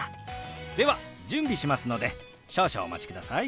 では準備しますので少々お待ちください。